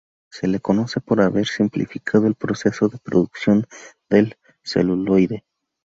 Se le conoce por haber simplificado el proceso de producción del celuloide.